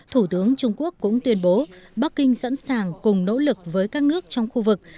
thủ tướng trung quốc cũng tuyên bố bắc kinh sẵn sàng cùng nỗ lực với các nước trong khu vực